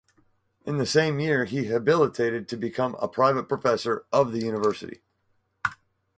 In the same year he habilitated to become a private professor of the university.